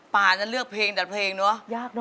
ป่าจะเลือกเพลงแต่เพลงเนอะยากเน